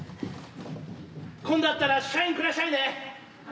今度会ったらサイン下しゃいね。